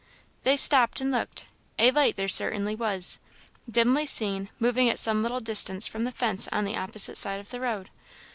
They stopped and looked. A light there certainly was, dimly seen, moving at some little distance from the fence on the opposite side of the road.